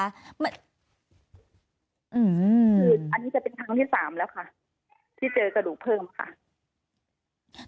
คืออันนี้จะเป็นครั้งที่สามแล้วค่ะที่เจอกระดูกเพิ่มค่ะ